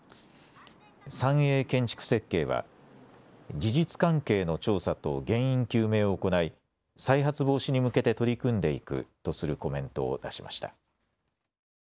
三栄建築設計は事実関係の調査と原因究明を行い再発防止に向けて取り組んでいくとするコメントを出しました。